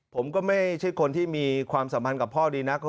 ผมก็ไม่ใช่คนที่มีความสัมพันธ์กับพ่อดีนัก